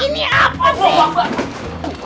ini apa sih